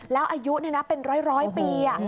แล้วอายุเนี่ยนะเป็นร้อยปีอ่ะ